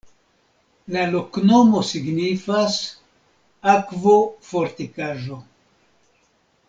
La loknomo signifas: akvo-fortikaĵo.